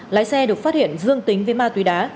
lái xe được phát hiện dương tính với ma túy đá